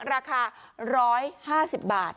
ราคา๑๕๐บาท